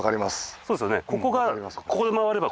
そうですよね。